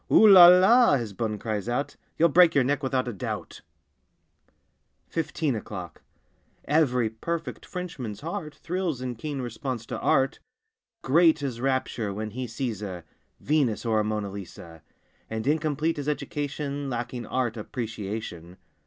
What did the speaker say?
''Oo la la!" His bonne cries out— "You'll break your neck without a doubt!" 33 . I A FOURTEEN O'CLOCK 35 FIFTEEN O'CLOCK E very perfect Frenchman's heart Thrills in keen response to Art. Great his rapture when he sees a Venus or a Mona Lisa; And incomplete his education Lacking Art Appreciation.